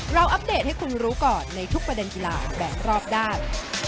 อัปเดตให้คุณรู้ก่อนในทุกประเด็นกีฬาแบบรอบด้าน